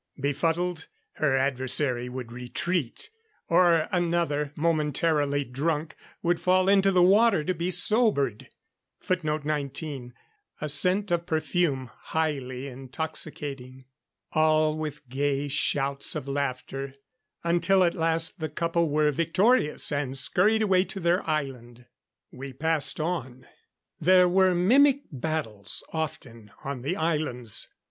Befuddled, her adversary would retreat; or another, momentarily drunk, would fall into the water to be sobered. [Footnote 19: A scent or perfume, highly intoxicating.] All with gay shouts of laughter; until at last the couple were victorious and scurried away to their island. We passed on. There were mimic battles often on the islands.